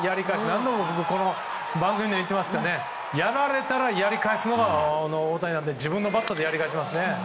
何度も番組でも言っていますがやられたらやり返すのが大谷なので自分のバットでやり返しますね。